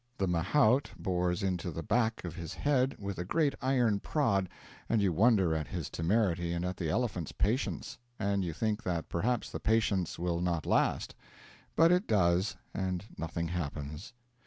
The mahout bores into the back of his head with a great iron prod and you wonder at his temerity and at the elephant's patience, and you think that perhaps the patience will not last; but it does, and nothing happens.